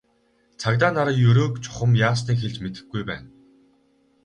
Цагдаа нар Ерөөг чухам яасныг хэлж мэдэхгүй байна.